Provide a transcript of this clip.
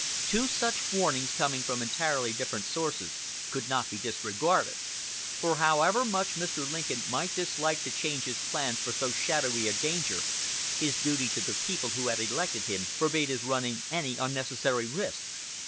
Two such warnings, coming from entirely different sources, could not be disregarded; for however much Mr. Lincoln might dislike to change his plans for so shadowy a danger, his duty to the people who had elected him forbade his running any unnecessary risk.